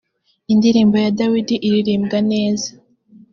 indirimbo ya dawidi iririmbwa neza